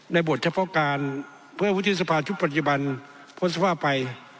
บทเฉพาะการเพื่อวุฒิสภาชุดปัจจุบันพ้นสภาพไป